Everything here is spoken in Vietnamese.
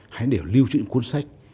hay để lưu tr noise những cuốn sách